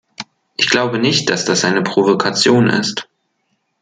Ich glaube nicht, dass das eine Provokation ist.